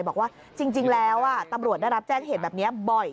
บอกว่าจริงแล้วตำรวจได้รับแจ้งเหตุแบบนี้บ่อย